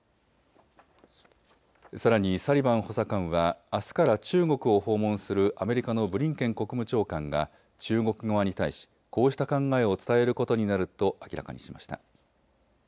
さらにサリバン補佐官はあすから中国を訪問するアメリカのブリンケン国務長官が中国側に対し、こうした考えを伝えることになると明らかにしました。